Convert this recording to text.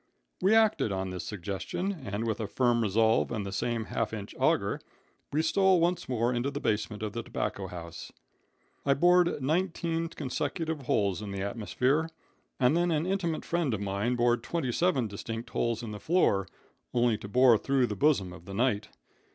We acted on this suggestion, and, with a firm resolve and the same half inch auger, we stole once more into the basement of the tobacco house. "I bored nineteen consecutive holes in the atmosphere, and then an intimate friend of mine bored twenty seven distinct holes in the floor, only to bore through the bosom of the night.